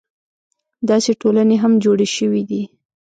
داسې ټولنې هم جوړې شوې دي.